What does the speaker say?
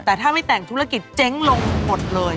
แต่ถ้าไม่แต่งธุรกิจเจ๊งลงหมดเลย